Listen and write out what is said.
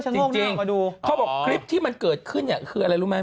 จริงเขาบอกคลิปที่มันเกิดขึ้นเนี่ยคืออะไรรู้ไหม